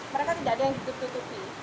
mereka tidak ada yang ditutup tutupi